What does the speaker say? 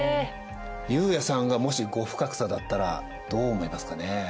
悠也さんがもし後深草だったらどう思いますかね？